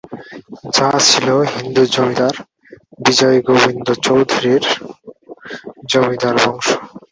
যা ছিল হিন্দু জমিদার বিজয় গোবিন্দ চৌধুরীর জমিদার বংশ।